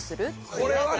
これはね